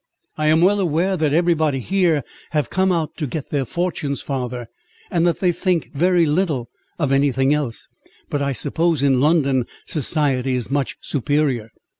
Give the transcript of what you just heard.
"I am well aware that every body here have come out to get their fortunes, father; and that they think very little of any thing else; but I suppose in London society is much superior."